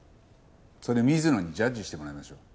それ水野にジャッジしてもらいましょう。